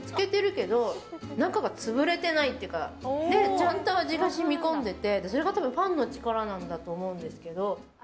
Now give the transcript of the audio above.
ちゃんと味が染み込んでてそれが多分パンの力だと思うんですけど。